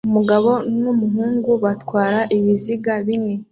Umugabo n'umuhungu batwara ibiziga bine